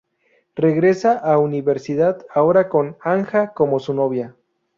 Regresa a universidad, ahora con Anja como su novia.